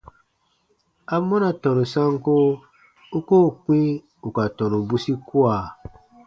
Amɔna tɔnu sanko u koo kpĩ ù ka tɔnu bwisi kua?